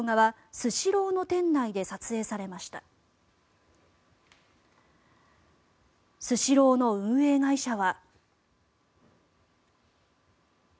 スシローの運営会社は。